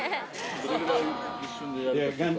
どれぐらい一瞬でやれるか。